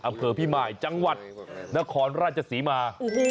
อำเภอพิมายจังหวัดนครราชศรีมา